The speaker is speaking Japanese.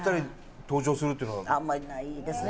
あんまりないですね。